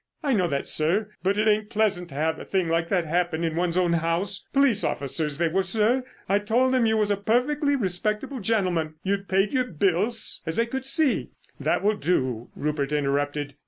"I know that, sir. But it ain't pleasant to have a thing like that happen in one's own house. Police officers they were, sir.... I told them you was a perfectly respectable gentleman.... You'd paid your bills, as they could see——" "That will do," Rupert interrupted.